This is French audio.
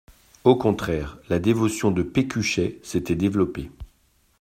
Au contraire, la dévotion de Pécuchet s'était développée.